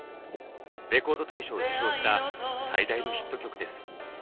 レコード大賞を受賞した最大のヒット曲です。